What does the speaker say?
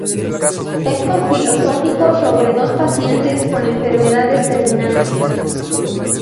Texto filosófico sobre dos pacientes con enfermedades terminales.